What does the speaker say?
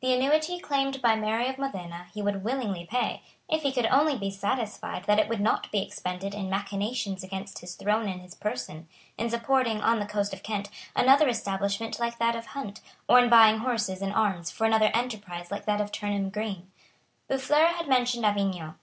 The annuity claimed by Mary of Modena he would willingly pay, if he could only be satisfied that it would not be expended in machinations against his throne and his person, in supporting, on the coast of Kent, another establishment like that of Hunt, or in buying horses and arms for another enterprise like that of Turnham Green. Boufflers had mentioned Avignon.